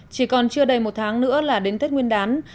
chỉ còn chưa đầy một tháng nữa là đến tết nguyên đán